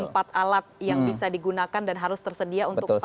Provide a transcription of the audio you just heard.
empat alat yang bisa digunakan dan harus tersedia untuk perawatan